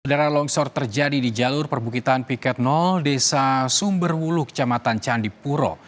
udara longsor terjadi di jalur perbukitan piket desa sumberwulu kecamatan candipuro